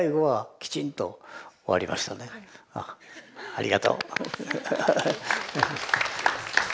ありがとう。